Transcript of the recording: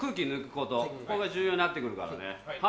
ここが重要になって来るからね。